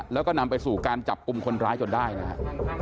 แล้วก็นำไปสู่การจับกลุ่มคนร้ายจนได้นะครับ